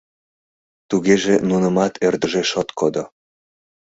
— Тугеже нунымат ӧрдыжеш от кодо?